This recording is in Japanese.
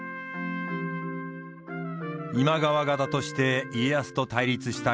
今川方として家康と対立した吉良義昭。